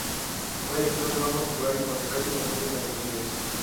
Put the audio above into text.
Fue director del Banco Popular Hipotecario y de la Fábrica de Tejidos.